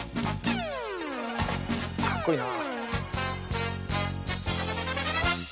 かっこいいな。